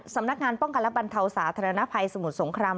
สำนักงานป้องกันและบรรเทาสาธารณภัยสมุทรสงคราม